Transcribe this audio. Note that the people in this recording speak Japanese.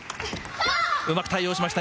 うまく対応しました。